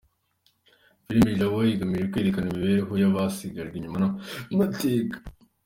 Filimi Ijabo igamije kwerekana imibereho y’abasigajwe inyuma n’amateka